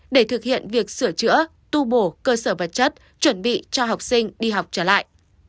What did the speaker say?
để thực hiện việc sửa chữa tu bổ cơ sở vật chất chuẩn bị cho học sinh đi học trở lại